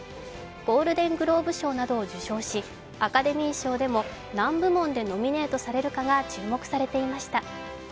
ゴールデン・グローブ賞などを受賞し、アカデミー賞でも何部門でノミネートされるかが注目されていました。